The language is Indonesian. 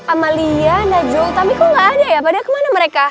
amalia najul tapi kok gak ada ya padahal kemana mereka